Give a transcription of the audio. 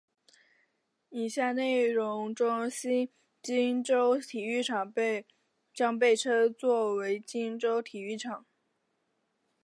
以下内容中新金州体育场将被称作金州体育场。